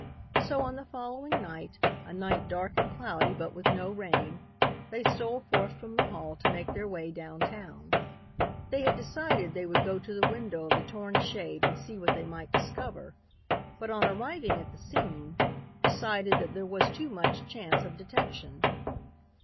So, on the following night, a night dark and cloudy but with no rain, they stole forth from the hall to make their way down town. They had decided that they would go to the window of the torn shade and see what they might discover, but, on arriving at the scene, decided that there was too much chance of detection.